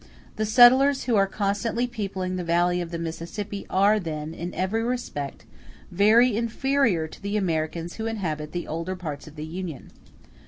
The settlers who are constantly peopling the valley of the Mississippi are, then, in every respect very inferior to the Americans who inhabit the older parts of the Union.